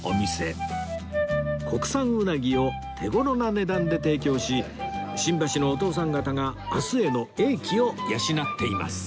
国産うなぎを手頃な値段で提供し新橋のお父さん方が明日への英気を養っています